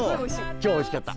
超おいしかった。